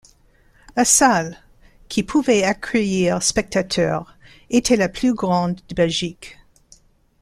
La salle, qui pouvait accueillir spectateurs, était la plus grande de Belgique.